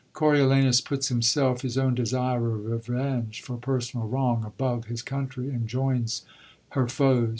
Ooriolanus puts him self, his own desire of revenge for personal wrong, above his country, and joins her foes.